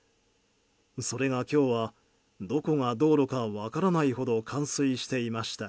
それが今日はどこが道路か分からないほど冠水していました。